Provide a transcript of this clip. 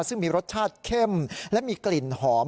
ซึ่งมีรสชาติเข้มและมีกลิ่นหอม